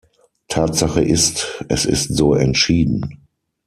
Tatsache ist, es ist so entschieden.